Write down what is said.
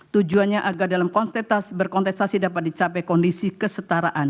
tujuannya agar dalam kontes berkontestasi dapat dicapai kondisi kesetaraan